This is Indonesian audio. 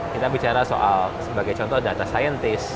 kita bicara soal sebagai contoh data saintis